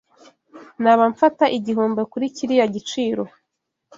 Naba mfata igihombo kuri kiriya giciro.